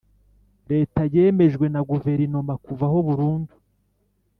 Leta yemejwe na Guverinoma kuvaho burundu